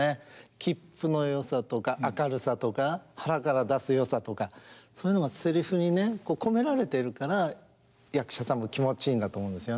きっぷのよさとか明るさとか腹から出すよさとかそういうのがセリフにね込められているから役者さんも気持ちいいんだと思うんですよね。